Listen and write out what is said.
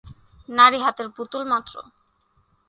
নারী হাতের পুতুল মাত্র।